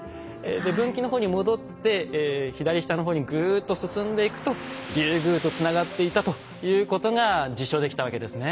分岐の方に戻って左下の方にぐっと進んでいくと竜宮とつながっていたということが実証できたわけですね。